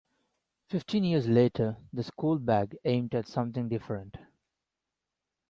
Fifteen years later, "The School Bag" aimed at something different.